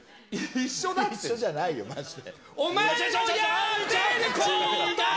一緒じゃないよ、まじで。